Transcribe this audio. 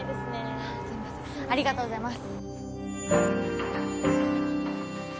あぁすいませんありがとうございます。